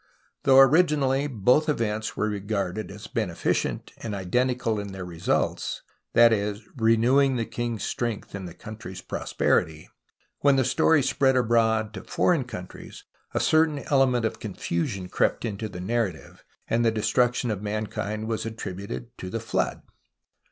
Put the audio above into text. Tiiough originally both events were regarded as beneficent and identical in their results, that is renewing the king's strength and the country's prosperity, when the story spread abroad to foreign countries a certain element of confusion crept into the narrative, and the destruction of mankind was attributed to the Flood.